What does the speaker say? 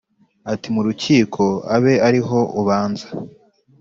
ati : mu rukiko abe ari ho ubanza